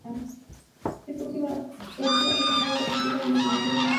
Esta última hecha en honor a las víctimas del tsunami de Japón.